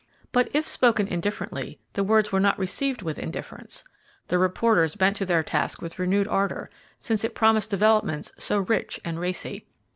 But, if spoken indifferently, the words were not received with indifference. The reporters bent to their task with renewed ardor, since it promised developments so rich and racy.